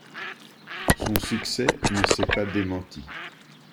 Son succès ne s'est pas démenti.